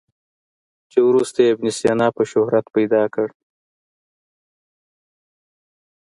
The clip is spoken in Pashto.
چې وروسته یې ابن سینا په شهرت پیدا کړ.